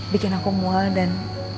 bikin aku mual dan